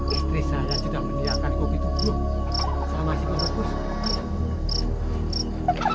istri saya sudah meniakanku gitu belum